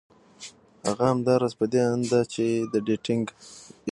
هغه همدا راز په دې اند ده چې د ډېټېنګ